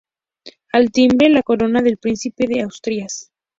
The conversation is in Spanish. Al timbre la corona de Príncipe de Asturias.